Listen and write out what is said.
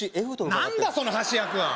何だその端役は！